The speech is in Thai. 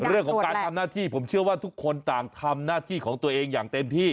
เรื่องของการทำหน้าที่ผมเชื่อว่าทุกคนต่างทำหน้าที่ของตัวเองอย่างเต็มที่